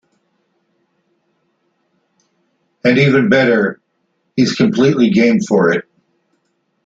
And even better, he's completely game for it.